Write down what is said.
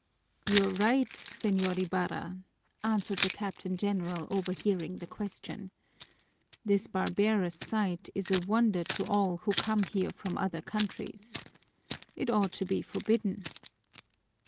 "You're right, Señor Ibarra," answered the Captain General, overhearing the question. "This barbarous sight is a wonder to all who come here from other countries. It ought to be forbidden."